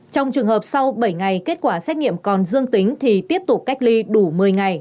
trong trường hợp sau bảy ngày kết quả xét nghiệm còn dương tính thì tiếp tục cách ly đủ một mươi ngày